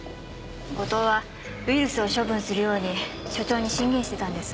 後藤はウイルスを処分するように所長に進言してたんです。